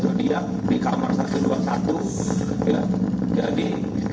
dan tidak keluar kembali